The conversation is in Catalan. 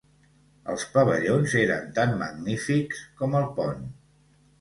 Els pavellons eren tan magnífics com el pont.